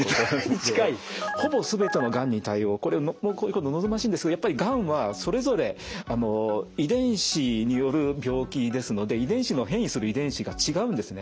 これ望ましいんですがやっぱりがんはそれぞれ遺伝子による病気ですので遺伝子の変異する遺伝子が違うんですね。